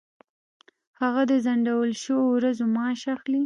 هغه د ځنډول شوو ورځو معاش اخلي.